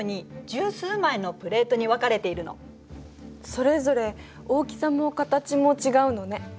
それぞれ大きさも形も違うのね。